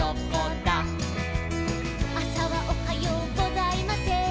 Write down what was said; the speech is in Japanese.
「あさはおはようございません」